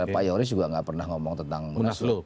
pak yoris juga tidak pernah ngomong tentang munaslub